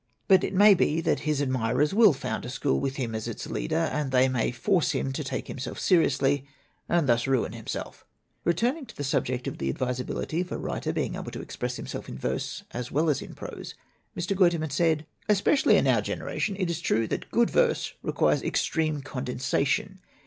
But it may be that his ad mirers will found a school with him as its leader, and they may force him to take himself seriously, and thus ruin himself." Returning to the subject of the advisability of a writer being able to express himself in verse as well as in prose, Mr. Guiterman said: "Especially in our generation is it true that 149 LITERATURE IN THE MAKING good verse requires extreme condensation.